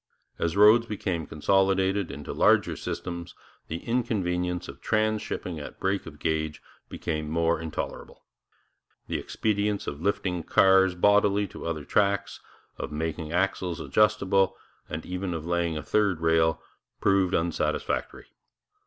As roads became consolidated into larger systems, the inconvenience of transhipping at break of gauge became more intolerable. The expedients of lifting cars bodily to other trucks, of making axles adjustable, and even of laying a third rail, proved unsatisfactory.